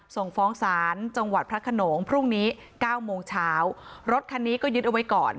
ส่งฟ้องศาลจังหวัดพระขนงพรุ่งนี้เก้าโมงเช้ารถคันนี้ก็ยึดเอาไว้ก่อน